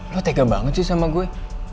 lo tega banget sih sama gue